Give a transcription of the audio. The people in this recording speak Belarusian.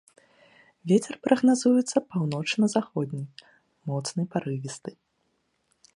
Вецер прагназуецца паўночна-заходні, моцны парывісты.